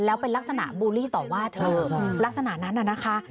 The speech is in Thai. แล้วเป็นลักษณะบูลลี่ต่อว่าเธอลักษณะนั้นน่ะนะคะ